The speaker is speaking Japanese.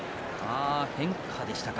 変化でしたか。